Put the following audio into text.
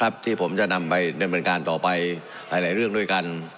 ครับที่ผมจะนำไปในบริการต่อไปหลายหลายเรื่องด้วยกัน